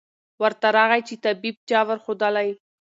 ورته راغی چي طبیب چا ورښودلی